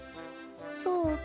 そうか。